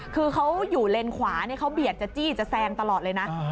คือเขาอยู่เลนขวาเขาเบียดจะจี้จะแซงตลอดเลยนะ